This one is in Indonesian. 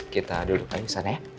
kita duduk aja sana ya